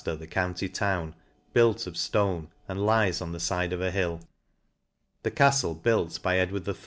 Lancafter, the county town, built of (lone, and lies on the fide of a hill. The caftle, built by Ed ward III.